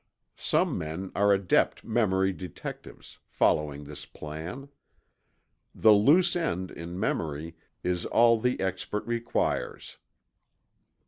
Some men are adept memory detectives, following this plan. The "loose end" in memory is all the expert requires.